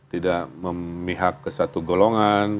tidak memihak ke satu golongan